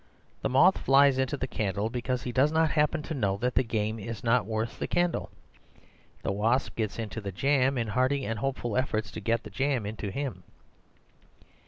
The moth flies into the candle because he doesn't happen to know that the game is not worth the candle. The wasp gets into the jam in hearty and hopeful efforts to get the jam into him.